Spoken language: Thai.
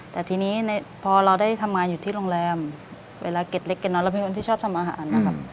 แต่ทีนี้พอเราได้ทำงานอยู่ที่โรงแรมเวลาเก็ดเล็กเด็ดน้อยเราเป็นคนที่ชอบทำอาหารนะครับ